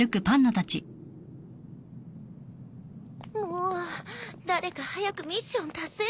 もう誰か早くミッション達成してよね。